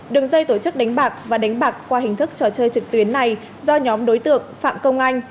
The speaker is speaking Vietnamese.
đường dây tổ chức đánh bạc và đánh bạc qua hình thức trò chơi trực tuyến này do nhóm đối tượng phạm công anh